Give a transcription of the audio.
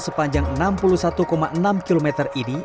sepanjang enam puluh satu enam km ini